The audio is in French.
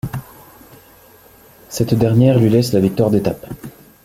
Cette dernière lui laisse la victoire d'étape.